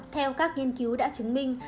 theo các nghiên cứu đã chứng minh